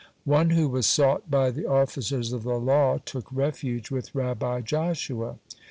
One who was sought by the officers of the law took refuge with Rabbi Joshua.